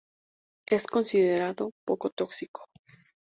Es considerado poco tóxico.